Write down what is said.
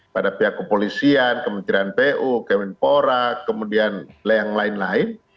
pada pihak kepolisian kementerian pu kemenpora kemudian yang lain lain